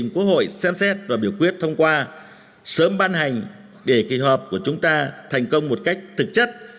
quốc hội xem xét và biểu quyết thông qua sớm ban hành để kỳ họp của chúng ta thành công một cách thực chất